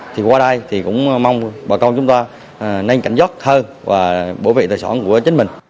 thì qua đây thì cũng mong bà con chúng ta nhanh cảnh giác thơ và bổ vệ tài sản của chính mình